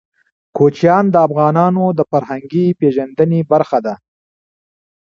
کوچیان د افغانانو د فرهنګي پیژندنې برخه ده.